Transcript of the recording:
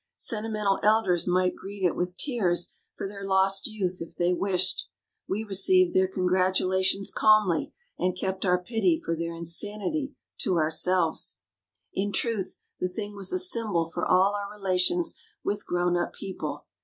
Senti mental elders might greet it with tears for ON NURSERY CUPBOARDS 59 their lost youth if they wished ; we received their congratulations calmly, and kept our pity for their insanity to ourselves. In truth, the thing was a symbol for all our relations with grown up people.